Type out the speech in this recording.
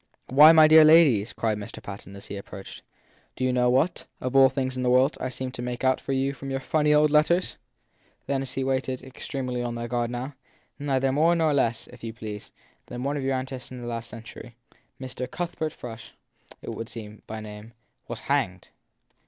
Why, my dear ladies, cried Mr. Patten as he approached, do you know what, of all things in the world, I seem to make out for you from your funny old letters? Then as they waited, extremely on their guard now: Neither more nor less, THE THIED PEKSON 253 if you please, than that one of your ancestors in the last cen tury Mr. Cuthbert Frush, it would seem, by name was hanged.